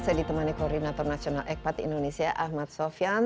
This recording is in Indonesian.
saya ditemani koordinator nasional ekpat indonesia ahmad sofyan